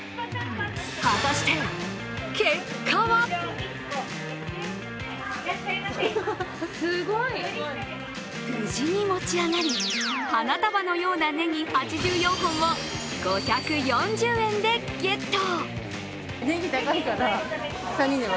果たして結果は無事に持ち上がりの花束のようなねぎ８４本を５４０円でゲット。